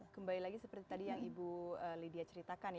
kembali lagi seperti tadi yang ibu lydia ceritakan